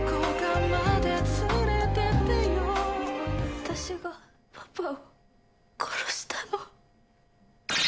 私がパパを殺したの。